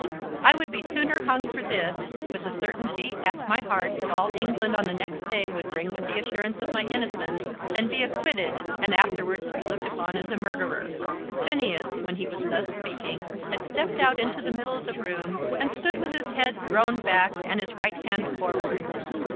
I would be sooner hung for this, with the certainty at my heart that all England on the next day would ring with the assurance of my innocence, than be acquitted and afterwards be looked upon as a murderer." Phineas, when he was thus speaking, had stepped out into the middle of the room, and stood with his head thrown back, and his right hand forward.